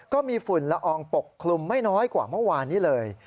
ก็มีฝุ่นละอองปกคลุมไม่น้อยกว่าเมื่อวานนี้เลย